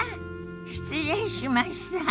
失礼しました。